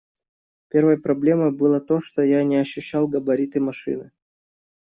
Первой проблемой было то, что я не ощущал габариты машины.